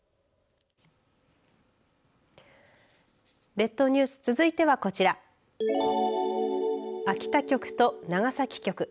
列島ニュース、続いてはこちら秋田局と長崎局。